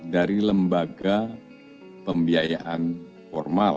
dari lembaga pembiayaan formal